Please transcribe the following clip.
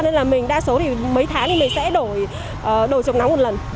nên là mình đa số thì mấy tháng thì mình sẽ đổi chống nắng một lần